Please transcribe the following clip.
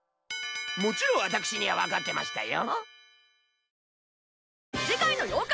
もちろん私にはわかってましたよ。